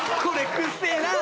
くっせえ！